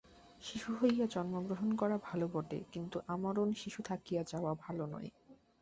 শিশু হইয়া জন্মগ্রহণ করা ভাল বটে, কিন্তু আমরণ শিশু থাকিয়া যাওয়া ভাল নয়।